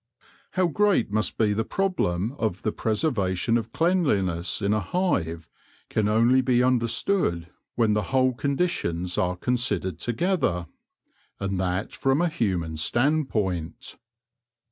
How great must be the problem of the preservation of cleanliness in a hive can only be understood when the whole conditions are con sidered together, and that from a human standpoint.